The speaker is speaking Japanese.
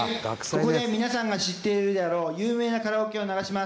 ここで皆さんが知っているであろう有名なカラオケを流します。